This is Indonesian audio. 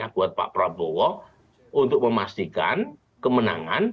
buat pak prabowo untuk memastikan kemenangan